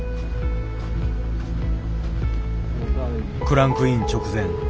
クランクイン直前。